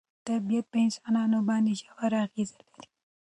طبیعت په انسانانو باندې ژوره اغېزه لري.